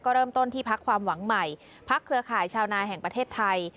เริ่มต้นที่พักความหวังใหม่พักเครือข่ายชาวนาแห่งประเทศไทย